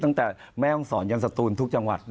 ตั้งแต่แม่ท่องสรญอันสตูรนิษฐ์ทุกจังหวัด